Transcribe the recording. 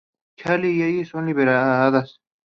Claire y Elle son liberadas.